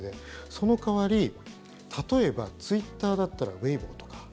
その代わり例えば、ツイッターだったらウェイボーとか。